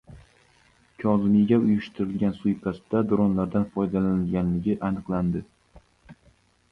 Kozimiyga uyushtirilgan suiqasdda dronlardan foydalanilganligi aniqlandi